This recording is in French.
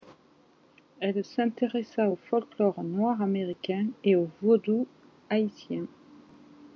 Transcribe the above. Elle s'intéressa au folklore noir-américain et au vaudou haïtien.